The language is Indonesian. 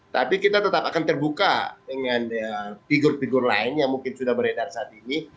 tapi kita tetap akan terbuka dengan figur figur lain yang mungkin sudah beredar saat ini